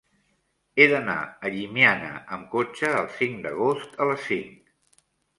He d'anar a Llimiana amb cotxe el cinc d'agost a les cinc.